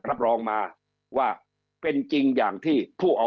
เล่าไว้